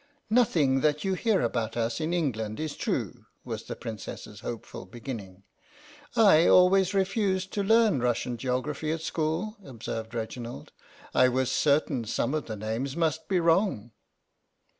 "Nothing that you hear about us in England is true," was the Princess's hopeful beginning. " I always refused to learn Russian geog raphy at school," observed Reginald ;" I was certain some of the names must be wrong."